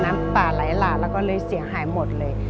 น้ำตาหลายหลากก็เลยเสียงหายหมดเลย